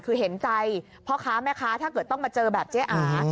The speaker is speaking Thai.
คือเห็นใจพ่อค้าแม่ค้าถ้าเกิดต้องมาเจอแบบเจ๊อา